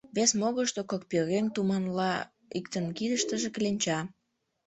Вес могырышто кок пӧръеҥ туманла, иктын кидыштыже кленча.